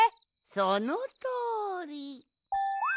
そのとおり。